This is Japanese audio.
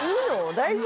大丈夫？